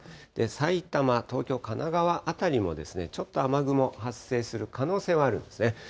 さいたま、東京、神奈川辺りも、ちょっと雨雲発生する可能性はあるんですね。